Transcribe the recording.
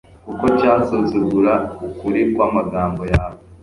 kuko cyasuzugura ukuri kw'amagambo yawe